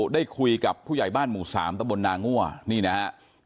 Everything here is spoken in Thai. ได้คุยกับผู้ใหญ่บ้านหมู่สามตะบลนางั่วนี่นะฮะ